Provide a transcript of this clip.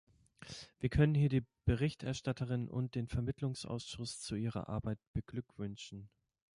Wir können hier die Berichterstatterin und den Vermittlungsausschuss zu ihrer Arbeit beglückwünschen.